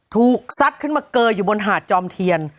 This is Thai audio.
ซัดขึ้นมาเกยอยู่บนหาดจอมเทียน